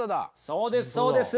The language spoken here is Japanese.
そうですそうです。